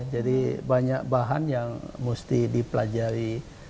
jadi banyak bahan yang mesti dipelajari